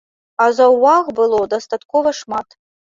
А заўваг было дастаткова шмат.